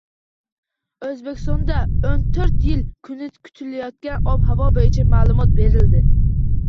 O‘zbekistondao'n to'rtiyul kuni kutilayotgan ob-havo bo‘yicha ma'lumot berildi